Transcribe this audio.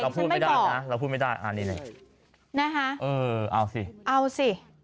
เราพูดไม่ได้เราพูดไม่ได้อ่านี่ไหนเอ้าสิเอาสิ